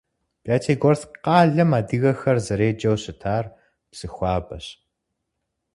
Пятигорск къалэм адыгэхэр зэреджэу щытар Псыхуабэщ.